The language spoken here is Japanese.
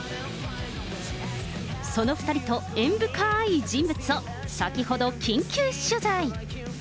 その２人と縁深い人物を先ほど、緊急取材。